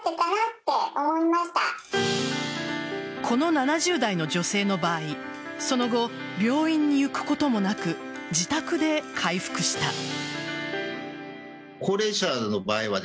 この７０代の女性の場合その後、病院に行くこともなく自宅で回復した。